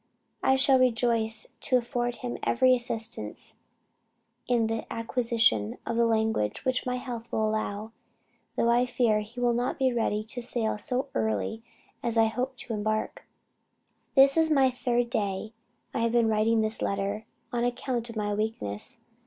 I shall rejoice to afford him every assistance in the acquisition of the language which my health will allow, though I fear he will not be ready to sail so early as I hope to embark. "This is the third day I have been writing this letter, on account of my weakness.